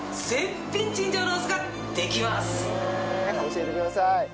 教えてください！